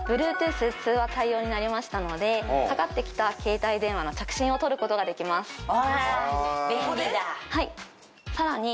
Ｂｌｕｅｔｏｏｔｈ通話対応になりましたのでかかってきた携帯電話の着信を取ることができます便利だここで？